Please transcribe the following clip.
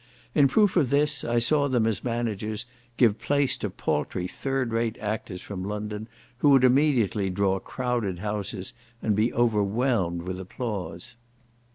In proof of this, I saw them, as managers, give place to paltry third rate actors from London, who would immediately draw crowded houses, and be overwhelmed with applause.